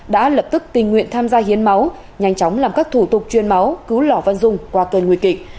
đã lập tức tình nguyện tham gia hiến máu nhanh chóng làm các thủ tục chuyên máu cứu lò văn dung qua cơn nguy kịch